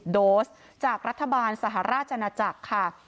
๔๑๕๐๐๔๐โดสจากรัฐบาลสหราชอาณาจักรค่ะ